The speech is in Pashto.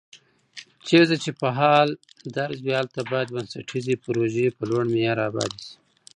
چېرته چې فعال درز وي، هلته باید بنسټيزې پروژي په لوړ معیار آبادې شي